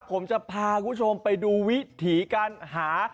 ครับผมจะพากุญชมไปดูวิถีการหา